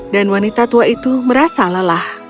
dan wanita tua itu merasa lelah